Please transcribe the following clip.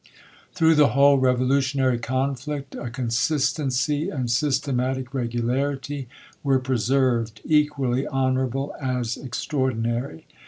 Through the whole revolutionary conflict, a consist ency and systematic regularity were preserved, equally honorable as extraordinary.